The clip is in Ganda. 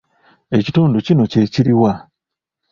Ekitundu kino kye kiruwa?